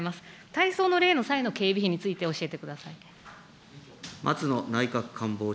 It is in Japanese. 大喪の例の際の警備費について教えてください。